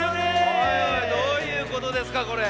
おいおいどういうことですかこれ？